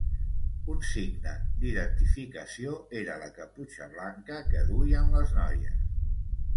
Un signe d'identificació era la caputxa blanca que duien les noies.